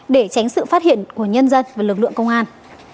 để tránh sự phát hiện của nhân dân và lực lượng công an